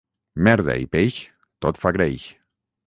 Merda i peix, tot fa greix.